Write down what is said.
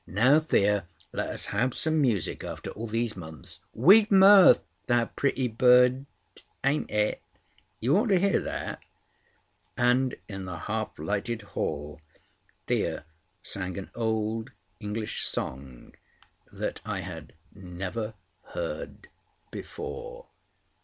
"Now, Thea, let us have some music after all these months. 'With mirth, thou pretty bird,' ain't it? You ought to hear that." And in the half lighted hall, Thea sang an old English song that I had never heard before.